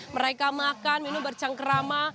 mereka makan minum bercangkrama